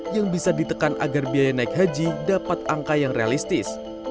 yang bisa ditekan agar biaya naik haji dapat angka yang realistis